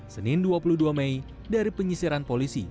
senin dua puluh dua mei dari penyisiran polisi